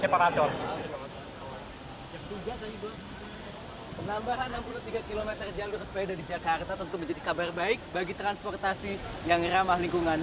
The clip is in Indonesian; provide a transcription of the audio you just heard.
penambahan enam puluh tiga km jalur sepeda di jakarta tentu menjadi kabar baik bagi transportasi yang ramah lingkungan